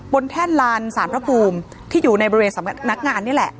แท่นลานสารพระภูมิที่อยู่ในบริเวณสำนักงานนี่แหละ